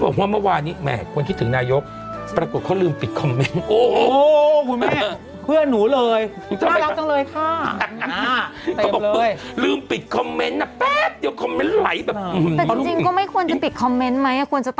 บอกว่าเมื่อวานนี้แหมควรคิดถึงนายกปรากฏเขาลืมปิดคอมเมนต์